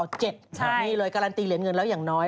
นี่เลยการันตีเหรียญเงินแล้วอย่างน้อย